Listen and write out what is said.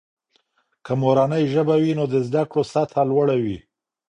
که مورنۍ ژبه وي، نو د زده کړې سطحه لوړه وي.